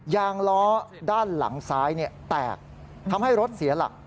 ยางล้อด้านหลังซ้ายแตกทำให้รถเสียหลัก